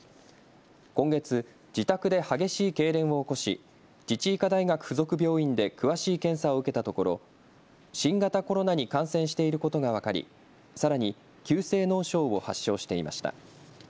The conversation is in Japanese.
今月、自宅で激しいけいれんを起こし自治医科大学附属病院で詳しい検査を受けたところ新型コロナに感染していることが分かりさらに急性脳症を発症していました。